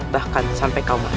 bahkan sampai kau mati